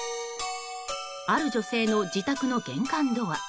ある女性の自宅の玄関ドア。